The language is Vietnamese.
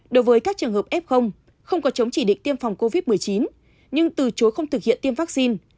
đối với các trường hợp f không có chống chỉ định tiêm phòng covid một mươi chín nhưng từ chối không thực hiện tiêm vaccine